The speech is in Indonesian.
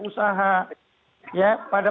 usaha ya pada